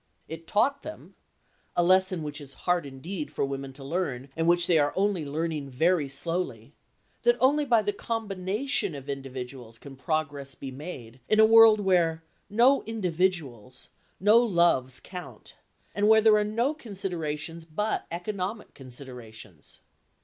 It taught them (a lesson which is hard indeed for women to learn, and which they are only learning very slowly) that only by the combination of individuals can progress be made in a world where no individuals, no loves count, and where there are no considerations but economic considerations.